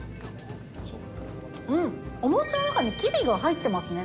うん、お餅の中にきびが入ってますね。